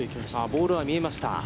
ボールは見えました。